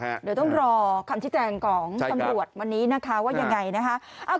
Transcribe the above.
เดี๋ยวต้องรอคำชี้แจงของตำรวจวันนี้นะคะว่ายังไงนะคะ